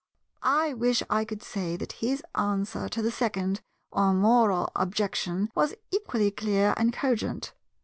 I wish I could say that his answer to the second (or moral) objection was equally clear and cogent.